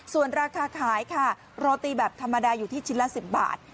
ส่วนราคาขายค่ะโรตีแบบธรรมดาอยู่ที่ชิ้นละ๑๐บาท